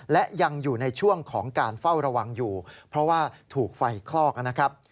และยังอยู่ในช่วงของการเฝ้าระวังอยู่เพราะว่าถูกไฟคลอกนะครับ